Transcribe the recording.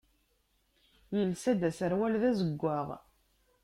Yelsa-d aserwal d azeggaɣ.